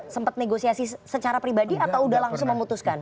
sempat negosiasi secara pribadi atau sudah langsung memutuskan